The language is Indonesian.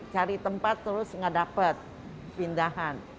cari tempat terus nggak dapat pindahan